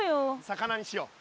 魚にしよう。